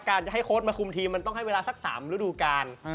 การจะให้โค้ดมาคุมทีมมันต้องให้เวลาสัก๓ฤดูการ